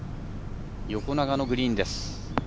横長のグリーンです。